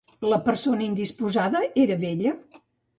La persona indisposada era vella?